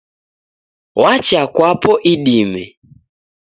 Wacha kwapo idime.